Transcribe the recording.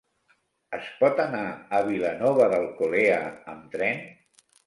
Es pot anar a Vilanova d'Alcolea amb tren?